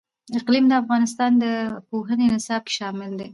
اقلیم د افغانستان د پوهنې نصاب کې شامل دي.